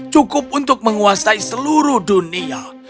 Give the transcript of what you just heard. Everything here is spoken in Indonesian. cukup untuk menguasai seluruh dunia